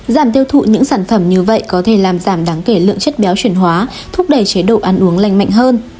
giảm tiêu thụ những sản phẩm như vậy có thể làm giảm đáng kể lượng chất béo chuyển hóa thúc đẩy chế độ ăn uống lành mạnh hơn